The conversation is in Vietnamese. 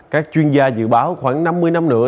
các chuyên gia dự báo khoảng năm mươi năm nữa